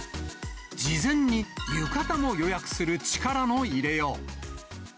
事前に浴衣も予約する力の入れよう。